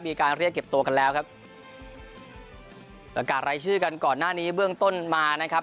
มีการเรียกเก็บตัวกันแล้วครับประกาศรายชื่อกันก่อนหน้านี้เบื้องต้นมานะครับ